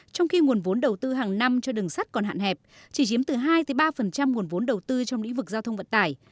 trong khi nguồn vốn đầu tư hàng năm cho đường sắt còn hạn hẹp chỉ chiếm từ hai ba nguồn vốn đầu tư trong lĩnh vực giao thông vận tải